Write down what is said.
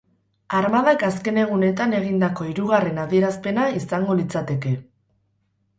Armadak azken egunetan egindako hirugarren adierazpena izango litzateke.